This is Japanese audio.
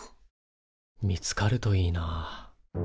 見つかるといいな。